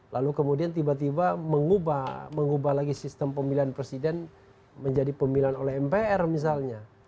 lalu kemudian tiba tiba mengubah lagi sistem pemilihan presiden menjadi pemilihan oleh mpr misalnya